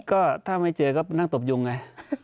ก็ถ้าไม่เจอก็นั่งตบยุงไง